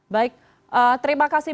baik terima kasih